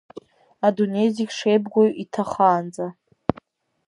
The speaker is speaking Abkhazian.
Адунеи зегь шеибгоу иҭахаанӡа…